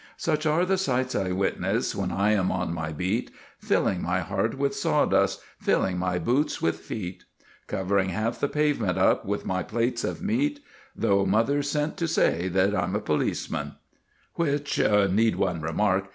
Such are the sights I witness when I am on my beat, Filling my heart with sawdust, filling my boots with feet; Covering half the pavement up with my "plates of meat," Though mother sent to say that I'm a p'liceman which need one remark?